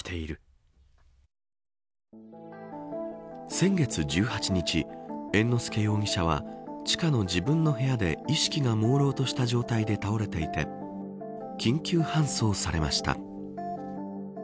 先月１８日、猿之助容疑者は地下の自分の部屋で意識がもうろうとした状態で倒れていて緊急搬送されました。